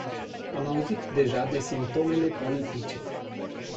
Am auzit deja de simptomele politice.